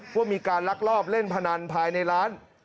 ว่ามีการลักลอบเล่นพนันภายในร้าน